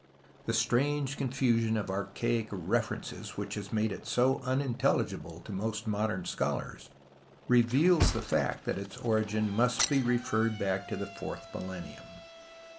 the strange confusion of archaic references which has made it so unintelligible to most modern scholars reveals the fact that its orimn must be referred back to the fourth millennium.